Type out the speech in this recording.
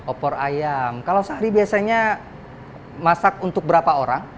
opor ayam kalau sehari biasanya masak untuk berapa orang